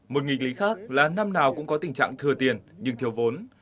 một nghịch lý khác là năm nào cũng có tình trạng thừa tiền nhưng thiếu vốn